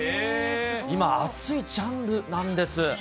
今、熱いジャンルなんです。